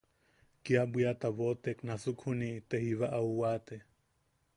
Kia bwiata boʼotek nasuk juni te jiba au waate.